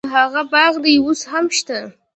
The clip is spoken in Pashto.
هغه باغ دې اوس هم شته.